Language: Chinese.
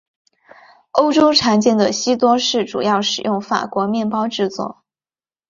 欧洲常见的西多士主要使用法国面包制作。